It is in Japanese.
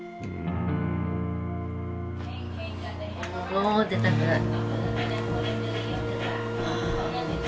もう出たくない。